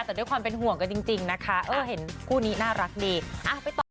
แต่ด้วยความเป็นห่วงกันจริงนะคะเออเห็นคู่นี้น่ารักดีไปต่อ